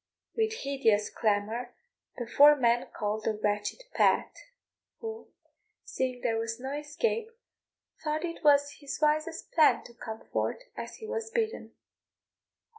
With hideous clamour the four men called the wretched Pat, who, seeing there was no escape, thought it was his wisest plan to come forth as he was bidden.